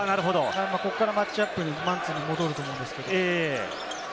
ここからマッチアップ、マンツーに戻ると思いますけれども。